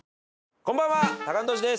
こんばんはタカアンドトシです。